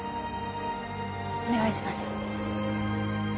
お願いします。